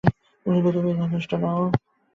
শুধু তুমিই যথেষ্ট নও!